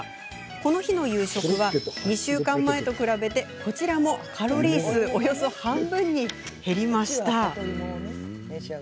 この日の夕食は２週間前と比べてこちらもカロリー数がおよそ半分に減りました。